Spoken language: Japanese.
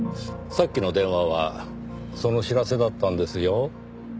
さっきの電話はその知らせだったんですよ。